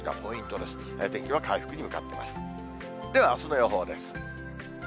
では、あすの予報です。